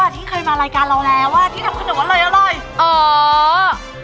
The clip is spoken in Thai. ที่เคยมารายการเราแล้วว่าที่ทำขนมอร่อยเออ